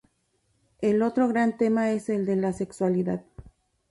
El otro gran tema es el de la sexualidad.